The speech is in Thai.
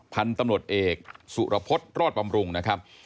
พันธุ์ตำรวจเอกสุรพฤษรอดบำรุงนะครับ